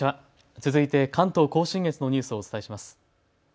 続いて関東甲信越のニュースをお伝えします。